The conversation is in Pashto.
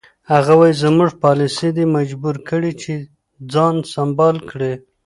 هغه وایي زموږ پالیسي دی مجبور کړی چې ځان سمبال کړي.